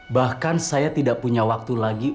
bahkan saya tidak punya waktu lagi